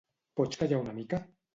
Pots callar una mica?